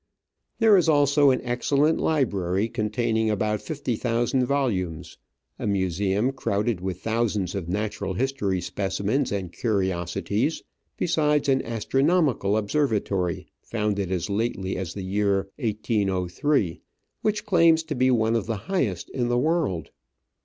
There is also an excellent library, containing about fifty thousand volumes, a museum crowded with thousands of natural history specimens and curiosities, besides an astronomical observatory, founded as lately as the year 1803, which claims to be one of the highest in the world.